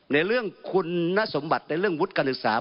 ในเรื่องคุณสมบัติในเรื่องวุฒิการศึกษา